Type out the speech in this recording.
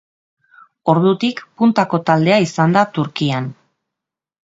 Ordutik puntako taldea izan da Turkian.